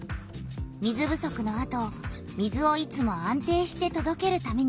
水不足のあと水をいつも安定してとどけるためにつくられた。